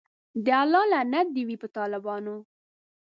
د الله لعنت دی وی په ټالبانو